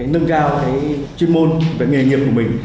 nâng cao chuyên môn và nghề nghiệp của mình